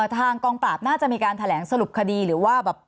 ทางกองปราบน่าจะมีการแถลงสรุปคดีหรือว่าแบบ